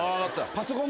パソコン